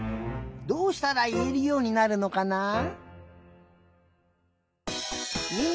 どうしたらいえるようになるのかな？